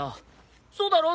そうだろ？